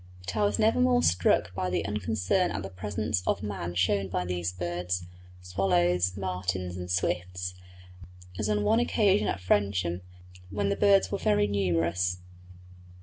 But I was never more struck by the unconcern at the presence of man shown by these birds swallows, martins, and swifts as on one occasion at Frensham, when the birds were very numerous.